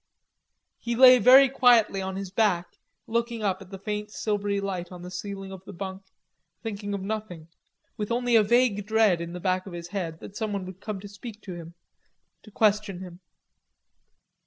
He lay very quietly on his back, looking up at the faint silvery light on the ceiling of the bunk, thinking of nothing, with only a vague dread in the back of his head that someone would come to speak to him, to question him.